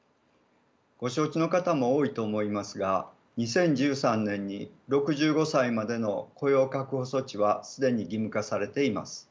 ご承知の方も多いと思いますが２０１３年に６５歳までの雇用確保措置は既に義務化されています。